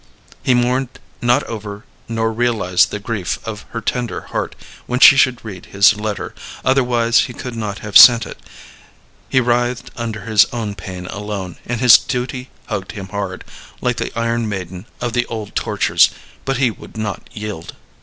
He mourned not over nor realized the grief of her tender heart when she should read his letter, otherwise he could not have sent it. He writhed under his own pain alone, and his duty hugged him hard, like the iron maiden of the old tortures, but he would not yield.